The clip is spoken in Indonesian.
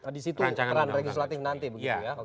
di situ peran legislatif nanti begitu ya